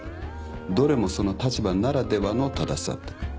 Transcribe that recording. どれもその立場ならではの正しさって。